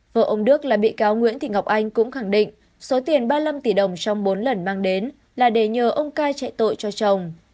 vợ ông đức là bị cáo nguyễn thị ngọc anh cũng khẳng định số tiền ba mươi năm tỷ đồng trong bốn lần mang đến là để nhờ ông cai chạy tội cho chồng